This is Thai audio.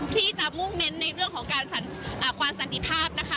ที่จะมุ่งเน้นในเรื่องของการความสันติภาพนะคะ